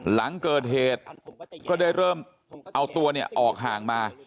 หลังเกิดเหตุก็ได้เริ่มเอาตัวเนี่ยออกห่างมา